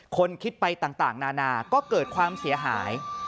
คนคิดไปต่างนานาก็เกิดความเสียหาย